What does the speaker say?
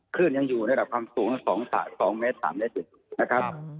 คุ้นยังอยู่ในการความสูงสัก๒๐๐๐มนาทุกนิด